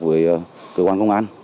với cơ quan công an